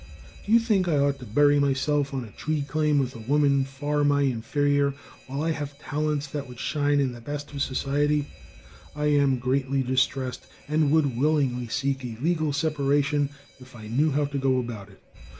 Do you think I ought to bury myself on a tree claim with a woman far my inferior, while I have talents that would shine in the best of society? I am greatly distressed, and would willingly seek a legal separation if I knew how to go about it.